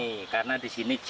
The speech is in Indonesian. iya karena di sini jatuh